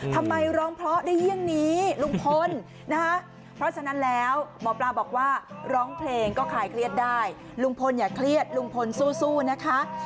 ทำไมร้องเพราะได้เยี่ยงนี้ลุงพลนะคะเพราะฉะนั้นแล้วหมอปลาบอกว่าร้องเพลงก็คลายเครียดได้ลุงพลอย่าเครียดลุงพลสู้นะคะ